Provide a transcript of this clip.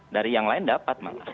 dari yang lain dapat